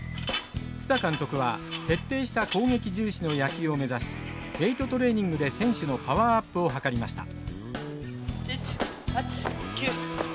蔦監督は徹底した攻撃重視の野球を目指しウエイトトレーニングで選手のパワーアップを図りました。